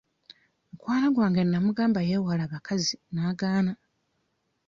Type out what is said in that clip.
Mukwano gwange nnamugamba yeewale abakazi n'agaana.